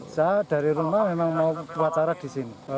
saya dari rumah memang mau upacara disini